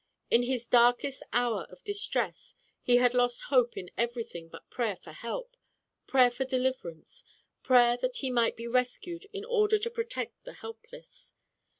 In his darkest hour of distress he had lost hope in every thing but prayer for help, prayer for deliverance, prayer that he might be rescued in order to pro tect the helpless.